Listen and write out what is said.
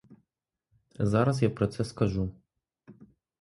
Зараз я про це скажу.